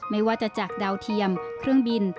ไม่ว่าจะจากดาวเทียมเครื่องบิน